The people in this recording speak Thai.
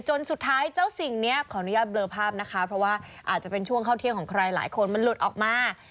จนสุดท้ายเจ้าสิ่งขออนุญาตเลอภาพเพราะว่าช่วงเข้าเที่ยงคนลดออกมา